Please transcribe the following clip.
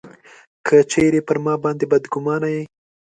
که چېرې پر ما باندي بدګومانه یې.